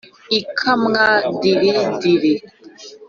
ikamwa diri diri